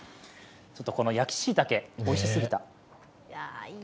この焼きしいたけ、おいしすぎた。